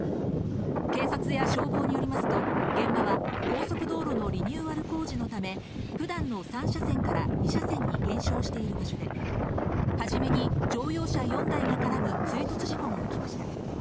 警察や消防によりますと、現場は高速道路のリニューアル工事のため、普段の３車線から２車線に減少している場所で、はじめに乗用車４台が絡む追突事故が起きました。